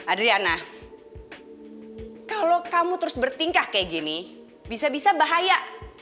adriana kalau kamu terus bertingkah kayak gini bisa bisa bahaya